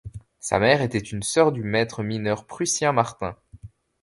Sa mère était une sœur du maître mineur prussien Martin.